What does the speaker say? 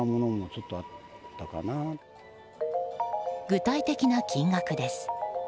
具体的な金額です。